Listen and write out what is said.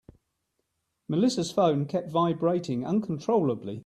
Melissa's phone kept vibrating uncontrollably.